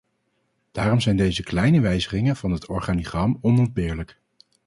Daarom zijn deze kleine wijzigingen van het organigram onontbeerlijk.